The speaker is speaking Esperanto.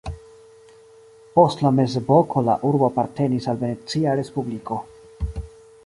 Post la mezepoko la urbo apartenis al Venecia respubliko.